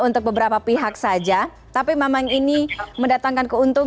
untuk beberapa pihak